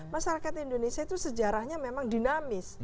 masyarakat indonesia itu sejarahnya memang dinamis